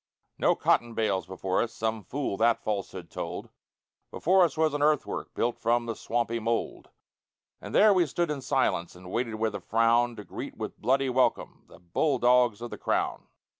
No cotton bales before us Some fool that falsehood told; Before us was an earthwork Built from the swampy mould And there we stood in silence, And waited with a frown. To greet with bloody welcome The bull dogs of the Crown.